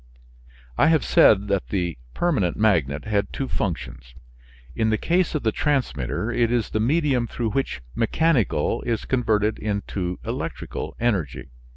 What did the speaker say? I have said that the permanent magnet had two functions. In the case of the transmitter it is the medium through which mechanical is converted into electrical energy.